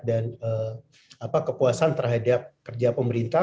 dan kepuasan terhadap kerja pemerintah